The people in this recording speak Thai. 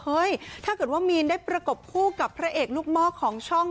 ถ้าเกิดว่ามีนได้ประกบคู่กับพระเอกลูกหม้อของช่อง